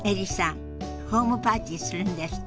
ホームパーティーするんですって。